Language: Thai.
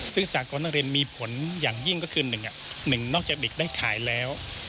ศึกษากรณะเรียนมีผลอย่างยิ่งก็คือหนึ่งนอกจากเด็กได้ขายแล้ว